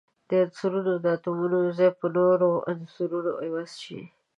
د عنصرونو د اتومونو ځای په نورو عنصرونو عوض شي.